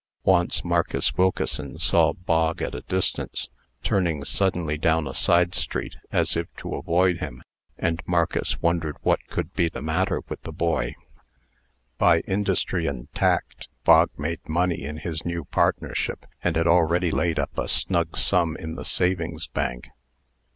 Once Marcus Wilkeson saw Bog at a distance, turning suddenly down a side street, as if to avoid him; and Marcus wondered what could be the matter with the boy. By industry and tact, Bog made money in his new partnership, and had already laid up a snug sum in the savings bank.